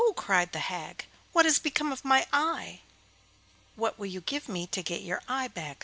cried the old hag, 'what has become of my eye?' 'What will you give me to get your eye back?